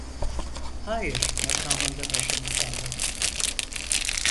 Hayır makamında başını salladı.